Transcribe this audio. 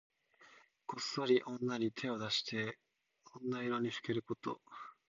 こっそり女に手を出して女色にふけること。